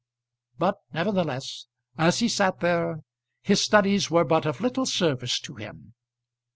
But, nevertheless, as he sat there, his studies were but of little service to him.